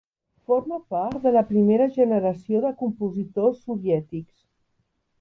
Forma part de la primera generació de compositors soviètics.